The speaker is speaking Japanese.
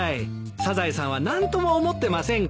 サザエさんは何とも思ってませんから。